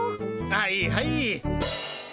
はいはい。